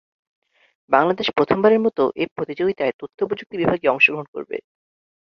বাংলাদেশ প্রথমবারের মতো এ প্রতিযোগিতায় তথ্যপ্রযুক্তি বিভাগে অংশগ্রহণ করবে।